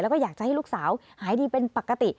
แล้วก็อยากจะให้ลูกสาวหายดีเป็นปกติ